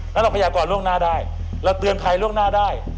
นั้นเราเป็นอยากก่อนละล่างหน้าได้เราเตือนภัยละล่างหน้าได้